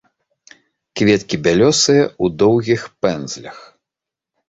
Кветкі бялёсыя, у доўгіх пэндзлях.